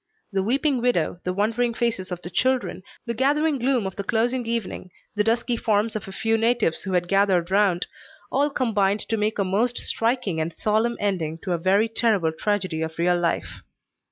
The weeping widow, the wondering faces of the children, the gathering gloom of the closing evening, the dusky forms of a few natives who had gathered round all combined to make a most striking and solemn ending to a very terrible tragedy of real life.